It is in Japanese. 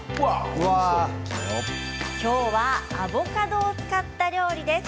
今日はアボカドを使った料理です。